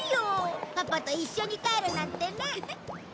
パパと一緒に帰るなんてね。